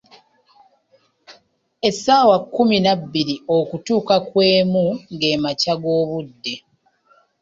Essaawa kkumi nabbiri okutuuka ku emu , ge makya g'obudde.